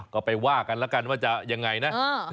ก็ไปว่ากันแล้วกันว่าจะยังไงนะ